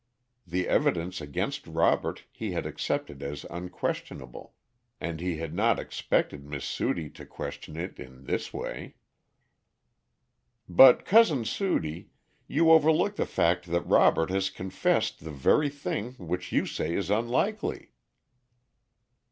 The evidence against Robert he had accepted as unquestionable, and he had not expected Miss Sudie to question it in this way. "But, Cousin Sudie, you overlook the fact that Robert has confessed the very thing which you say is unlikely."